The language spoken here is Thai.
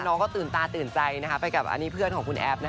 น้องก็ตื่นตาตื่นใจนะครับไปกับเพื่อนของคุณแอฟ